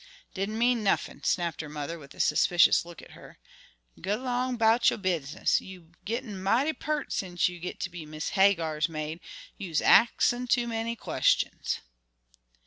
"Didn't mean nuffin," snapped her mother, with a suspicious look at her. "G' 'long 'bout yo' bisness; you's gittin' mighty pert sence you git to be Miss Hagar's maid; you's axin' too many questions."